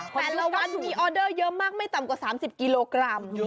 แต่ละวันมีออเดอร์เยอะมากไม่ต่ำกว่า๓๐กิโลกรัม